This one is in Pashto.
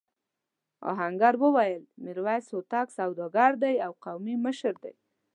آهنګر وویل میرويس هوتک سوداګر دی او قومي مشر دی.